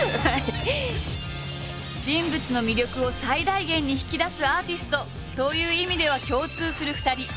人物の魅力を最大限に引き出すアーティストという意味では共通する２人。